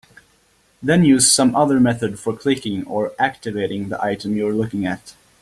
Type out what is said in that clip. Then use some other method for clicking or "activating" the item you're looking at.